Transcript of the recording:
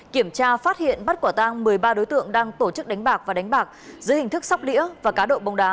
kiểm tra phát hiện bắt quả tang một mươi ba đối tượng đang tổ chức đánh bạc và đánh bạc dưới hình thức sóc đĩa và cá độ bóng đá